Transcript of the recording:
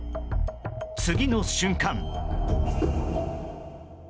次の瞬間。